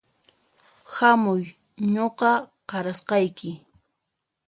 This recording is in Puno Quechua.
Hamuy nuqa qarasqayki